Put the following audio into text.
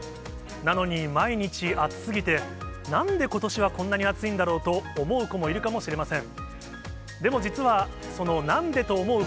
なのに毎日暑すぎて、なんでことしはこんなに暑いんだろうと思う子もいるかもしれません。